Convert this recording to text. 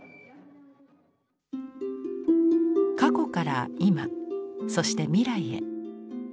過去から今そして未来へ。